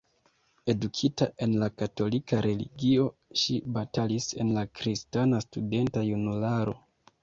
Edukita en la katolika religio, ŝi batalis en la kristana studenta junularo.